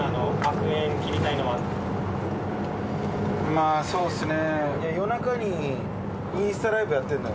まあそうですね。